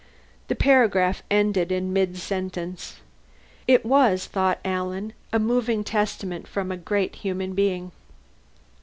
The paragraph ended in midsentence. It was, thought Alan, a moving testament from a great human being.